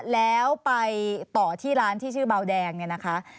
แล้วไปต่อที่ร้านที่ชื่อเบาแดงเนี่ยนะคะ